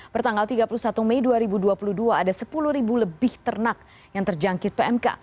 pertanggal tiga puluh satu mei dua ribu dua puluh dua ada sepuluh ribu lebih ternak yang terjangkit pmk